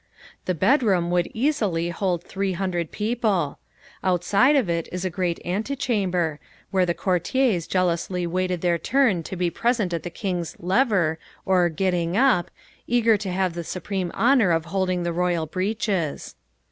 The bedroom would easily hold three hundred people. Outside of it is a great antechamber, where the courtiers jealously waited their turn to be present at the King's "lever," or "getting up," eager to have the supreme honour of holding the royal breeches.